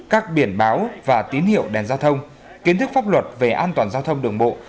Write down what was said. các biển báo và tín hiệu đèn giao thông kiến thức pháp luật về an toàn giao thông đường bộ